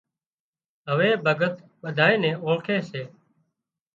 هوَي ڀڳت ٻڌانئي نين اوۯکي سي